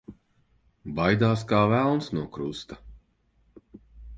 Baidās kā velns no krusta.